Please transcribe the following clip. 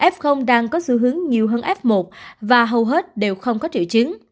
f đang có xu hướng nhiều hơn f một và hầu hết đều không có triệu chứng